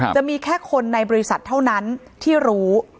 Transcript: จะมีแค่คนในบริษัทเท่านั้นที่รู้